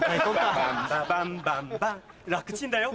ババンババンバンバン楽ちんだよ。